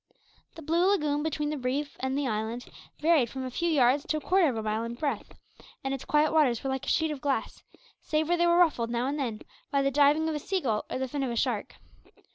The blue lagoon between the reef and the island varied from a few yards to a quarter of a mile in breadth, and its quiet waters were like a sheet of glass, save where they were ruffled now and then by the diving of a sea gull or the fin of a shark.